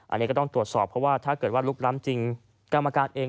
อันนี้ก็ต้องตรวจสอบเพราะว่าถ้าเกิดว่าลุกล้ำจริงกรรมการเอง